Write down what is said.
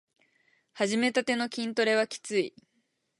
はじめたての筋トレはきつい